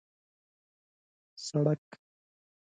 سړک